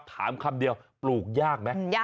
คำเดียวปลูกยากไหม